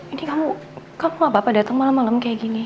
ini kamu kamu gak apa apa dateng malem malem kayak gini